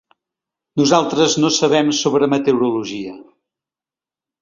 Nosaltres no sabem sobre meteorologia.